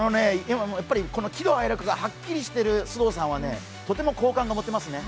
喜怒哀楽がはっきりしている須藤さんはとっても好感が持てますね。